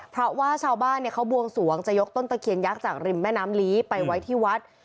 เพราะว่าชาวบ้านเขาบวงสวงจะยกต้นตะเคียนยักษ์จากริมแม่น้ำลีไปไว้ที่วัด